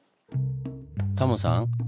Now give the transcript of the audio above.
タモさん